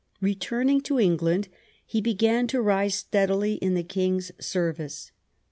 Beturning to England, he began to rise steadily in the King's service.